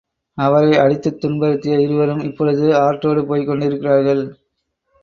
அவரை அடித்துத் துன்புறுத்திய இருவரும், இப்பொழுது ஆற்றோடு போய்க் கொண்டிருக்கிறார்கள்.